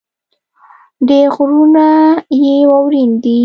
ډېر غرونه يې واؤرين دي ـ